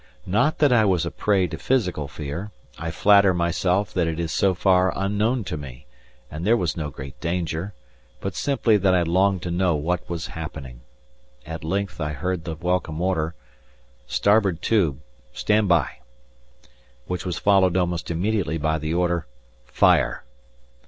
Not that I was a prey to physical fear; I flatter myself it is so far unknown to me, and there was no great danger, but simply that I longed to know what was happening. At length I heard the welcome order: "Starboard tube. Stand by!" Which was followed almost immediately by the order: "Fire!"